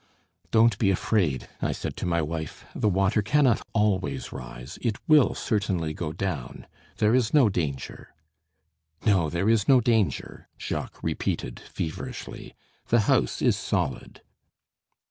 "Don't be afraid," I said to my wife. "The water cannot always rise. It will certainly go down. There is no danger." "No, there is no danger," Jacques repeated feverishly. "The house is solid."